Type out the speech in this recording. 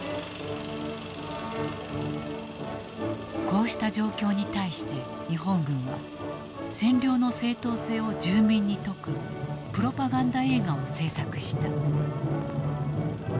こうした状況に対して日本軍は占領の正当性を住民に説くプロパガンダ映画を制作した。